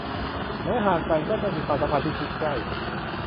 แม้ห่างกันก็จะมีความสัมพันธ์ที่ชิดใกล้